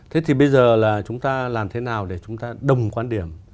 thế thì bây giờ là chúng ta làm thế nào để chúng ta đồng quan điểm